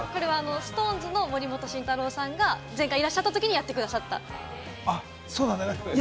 ＳｉｘＴＯＮＥＳの森本慎太郎さんが前回いらっしゃったときにやってくださった。